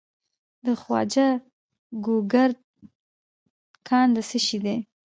د خواجه ګوګردک کان د څه شي دی؟